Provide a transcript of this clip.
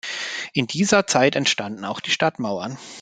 In dieser Zeit entstanden auch die Stadtmauern.